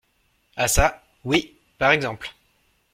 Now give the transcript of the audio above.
Ah ça ! oui, par exemple !